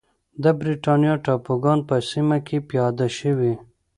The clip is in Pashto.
د برېټانیا ټاپوګان په سیمه کې پیاده شوې.